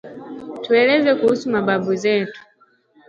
Tueleze kuhusu mababu zetu